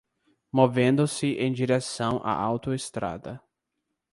Movendo-se em direção à autoestrada